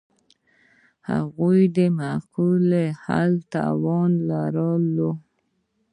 هغوی د معقول حل توان لرلو.